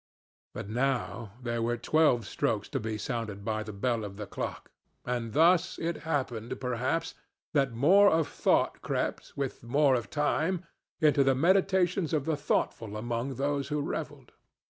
But now there were twelve strokes to be sounded by the bell of the clock; and thus it happened, perhaps, that more of thought crept, with more of time, into the meditations of the thoughtful among those who revelled.